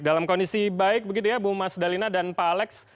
dalam kondisi baik begitu ya bu mas dalina dan pak alex